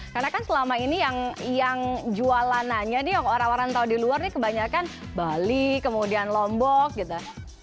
karena kan selama ini yang jualananya orang orang yang tahu di luar kebanyakan bali kemudian lombok gitu